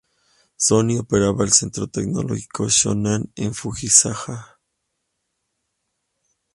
Sony opera el Centro Tecnológico Shonan en Fujisawa.